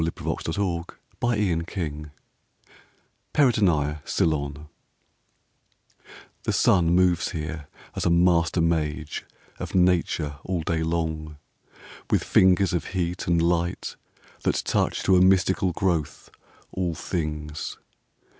IN A TROPICAL GARDEN (Peradeniya, Ceylon) I The sun moves here as a master mage of nature all day long, With fingers of heat and light that touch to a mystical growth all things.